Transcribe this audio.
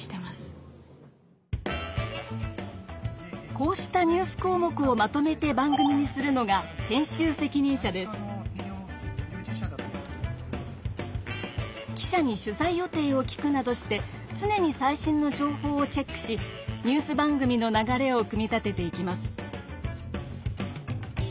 こうしたニュース項目をまとめて番組にするのが記者に取材予定を聞くなどしてつねに最新の情報をチェックしニュース番組の流れを組み立てていきます。